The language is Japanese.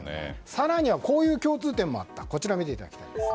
更にこういう共通点もあった。